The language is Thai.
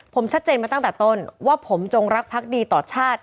ผมชัดเจนมาตั้งแต่ต้นว่าผมจงรักพักดีต่อชาติ